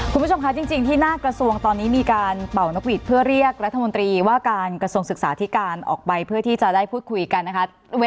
คุณผู้ชมคะจริงที่หน้ากระทรวงตอนนี้มีการเป่านกหวีดเพื่อเรียกรัฐมนตรีว่าการกระทรวงศึกษาธิการออกไปเพื่อที่จะได้พูดคุยกันนะคะ